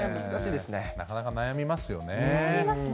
なかなか悩みますよね。